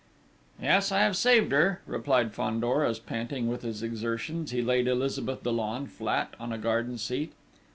"Yes, I have saved her," replied Fandor as, panting with his exertions, he laid Elizabeth Dollon flat on a garden seat....